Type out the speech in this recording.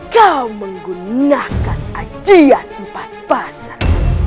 kau menggunakan ancian empat pasar